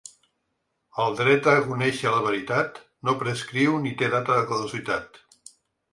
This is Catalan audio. El dret a conèixer la veritat no prescriu ni té data de caducitat.